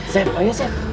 sepp oh iya sepp